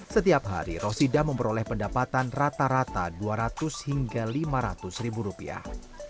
setiap hari rosida memperoleh pendapatan rata rata dua ratus hingga lima ratus ribu rupiah